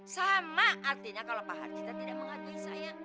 sama artinya kalau pak haji tidak mengatasi saya